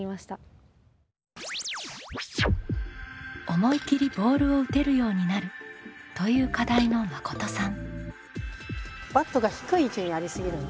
「思い切りボールを打てる」ようになるという課題のまことさん。